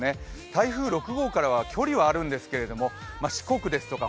台風６号からは距離はあるんですけども、四国ですとか